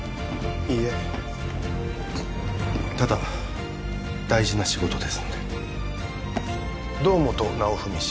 いいえただ大事な仕事ですので堂本尚史氏